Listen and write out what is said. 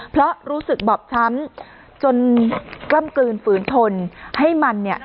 เพราะรู้สึกบอบช้ำจนกล้ำกลืนฝืนทนให้มันเนี่ย